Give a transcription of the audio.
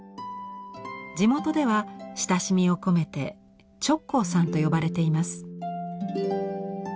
地元では親しみを込めて「ちょっこうさん」と呼ばれています。